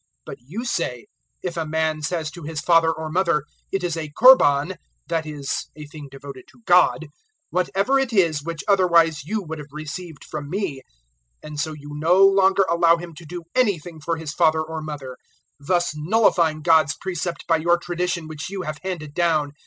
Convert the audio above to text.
007:011 But *you* say, 'If a man says to his father or mother, It is a Korban (that is, a thing devoted to God), whatever it is, which otherwise you would have received from me ' 007:012 And so you no longer allow him to do anything for his father or mother, 007:013 thus nullifying God's precept by your tradition which you have handed down.